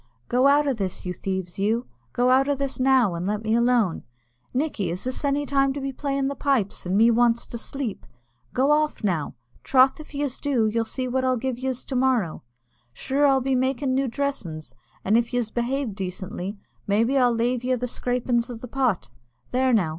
"Go out o' this, you thieves, you go out o' this now, an' let me alone. Nickey, is this any time to be playing the pipes, and me wants to sleep? Go off, now troth if yez do, you'll see what I'll give yez to morrow. Sure I'll be makin' new dressin's; and if yez behave decently, maybe I'll lave yez the scrapin' o' the pot. There now.